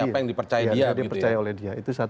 siapa yang dipercaya dia gitu ya